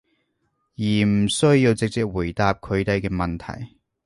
而唔需要直接回答佢哋嘅問題